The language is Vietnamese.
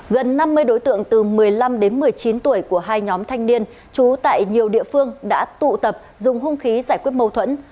gần năm mươi đối tượng từ một mươi năm đến một mươi chín tuổi của hai nhóm thanh niên trú tại nhiều địa phương đã tụ tập dùng hung khí giải quyết mâu thuẫn